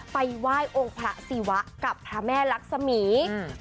ไปไหว้องค์พระศิวะกับพระแม่รักษมีอืม